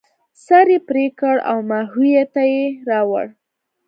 سر یې پرې کړ او ماهویه ته یې راوړ.